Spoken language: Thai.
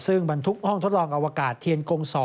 ซึ่งบรรทุกห้องทดลองอวกาศเทียนกง๒